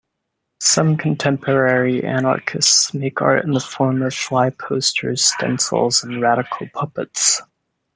Some contemporary anarchists make art in the form of flyposters, stencils, and radical puppets.